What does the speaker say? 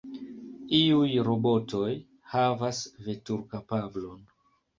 Iuj robotoj havas veturkapablon.